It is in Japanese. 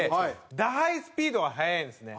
打牌スピードが速いんですね。